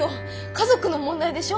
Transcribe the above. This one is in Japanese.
家族の問題でしょ。